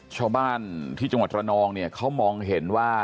ชาวบ้านที่จังหวัดระนองเนี่ยเขามองเห็นว่า